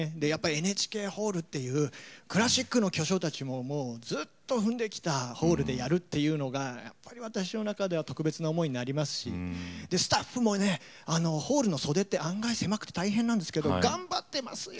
ＮＨＫホールというクラシックの巨匠たちもずっと踏んできたホールでやるというのが私の中では特別な思いがありますしスタッフも、ホールの袖って案外狭くて大変なんですけど頑張っていますよ